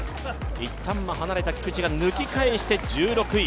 いったん離れた菊地が抜き返して１６位。